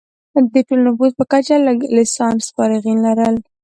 د ټول نفوس په کچه لږ لسانس فارغین لرل.